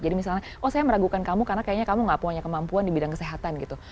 jadi misalnya oh saya meragukan kamu karena kayaknya kamu nggak punya kemampuan di bidang kesehatan gitu